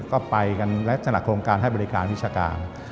ก็ไปกันลักษณะโครงการให้บริการวิชาการ